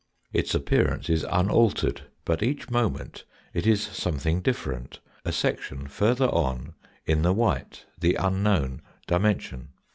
Its appearance is unaltered, but each moment it is something different a section further on, in the white, the unknown dimension.